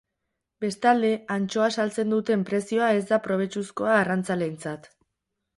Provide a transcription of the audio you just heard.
Bestalde, antxoa saltzen duten prezioa ez da probetxuzkoa arrantzaleentzat.